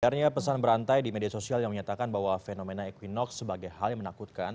sebenarnya pesan berantai di media sosial yang menyatakan bahwa fenomena equinox sebagai hal yang menakutkan